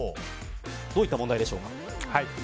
どういった問題でしょうか？